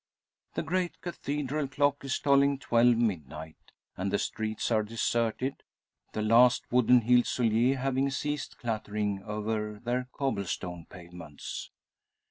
The great cathedral clock is tolling twelve midnight, and the streets are deserted, the last wooden heeled soulier having ceased clattering over their cobble stone pavements.